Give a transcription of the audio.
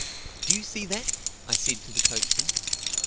"Do you see that?" I said to the coachman.